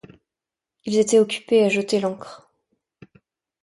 Ils étaient occupés à jeter l’ancre.